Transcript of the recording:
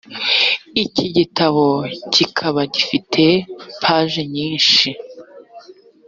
iki gitabo kikaba gifite paje nyishi.